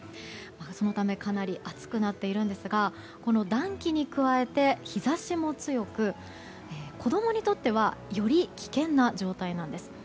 そのためかなり暑くなっているんですが暖気に加えて日差しも強く子供にとってはより危険な状態なんです。